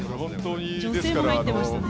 女性も入っていましたね。